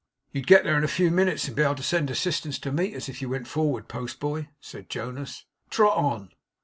'You'd get there in a few minutes, and be able to send assistance to meet us, if you went forward, post boy,' said Jonas. 'Trot on!